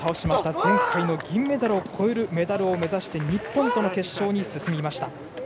前回の銀メダルを超えるメダルを目指して日本との決勝に進みました。